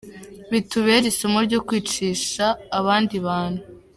Bitubere isomo ryo kwisha abandi bantu.